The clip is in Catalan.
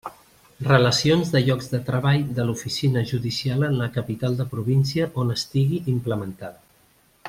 Relacions de llocs de treball de l'oficina judicial en la capital de província on estigui implementada.